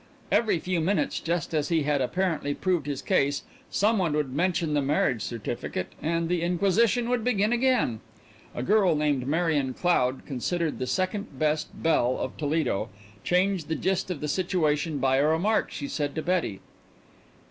Every few minutes, just as he had apparently proved his case, some one would mention the marriage certificate, and the inquisition would begin again. A girl named Marion Cloud, considered the second best belle of Toledo, changed the gist of the situation by a remark she made to Betty.